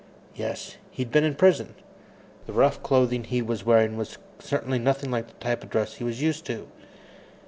Yes, he'd been in prison. The rough clothing he was wearing was certainly nothing like the type of dress he was used to.